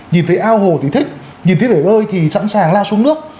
nhìn thấy ao hồ thì thích nhìn thấy để bơi thì sẵn sàng lao xuống nước